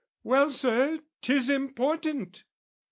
Well, Sir, 'tis important!"